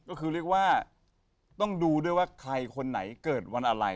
ก็คือเรียกว่าต้องดูด้วยว่าใครคนไหนเกิดวันอะไร